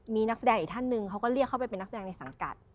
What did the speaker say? มีนักแสดงอีกท่านหนึ่งเขาก็เรียกเข้าไปเป็นนักแสดงในสังกัด